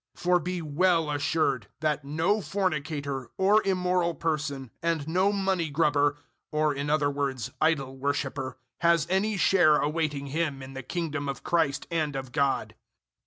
005:005 For be well assured that no fornicator or immoral person and no money grubber or in other words idol worshipper has any share awaiting him in the Kingdom of Christ and of God.